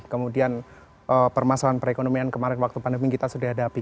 kemudian permasalahan perekonomian kemarin waktu pandemi kita sudah hadapi